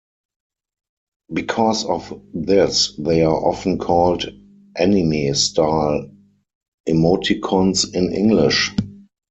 Because of this, they are often called "anime style" emoticons in English.